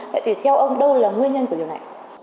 vậy thì theo ông đâu là nguyên nhân của điều này